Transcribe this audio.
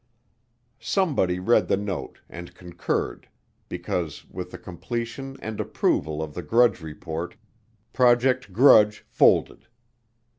Somebody read the note and concurred because with the completion and approval of the Grudge Report, Project Grudge folded.